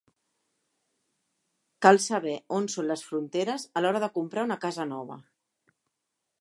Cal saber on són les fronteres a l'hora de comprar una casa nova.